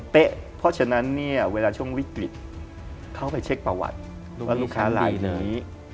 เพราะฉะนั้นเนี่ยเวลาช่วงวิกฤตเข้าไปเช็คประวัติว่าลูกค้าลายนี้